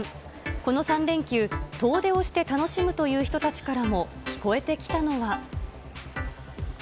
この３連休、遠出をして楽しむという人たちからも聞こえてきたのは。